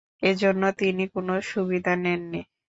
এ জন্য তিনি কোনো সুবিধা নেননি।